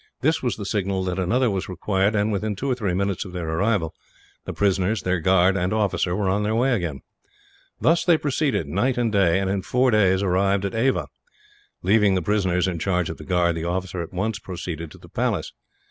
This was the signal that another was required and, within two or three minutes of their arrival, the prisoners, their guard and officer were on their way again. Thus they proceeded, night and day and, in four days, arrived at Ava. Leaving the prisoners in charge of the guard, the officer at once proceeded to the palace.